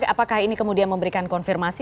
apakah ini kemudian memberikan konfirmasi